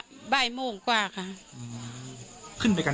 ปกติพี่สาวเราเนี่ยครับเป็นคนเชี่ยวชาญในเส้นทางป่าทางนี้อยู่แล้วหรือเปล่าครับ